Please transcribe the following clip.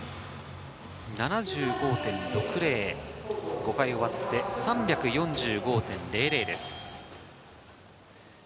５回終わって、３４５．００です。